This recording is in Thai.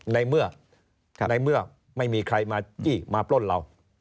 ในเมื่อในเมื่อไม่มีใครมาจี้มาปล้นเรา